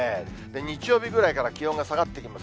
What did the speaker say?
日曜日ぐらいから気温が下がっていきます。